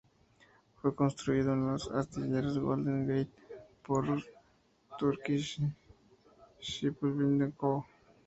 Fue construido en los astilleros Golden Gate por Turkish Shipbuilding Co.